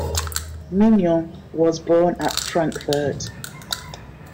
Mignon was born at Frankfurt.